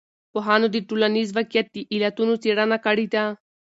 پوهانو د ټولنیز واقعیت د علتونو څېړنه کړې ده.